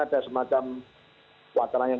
ada semacam wacana yang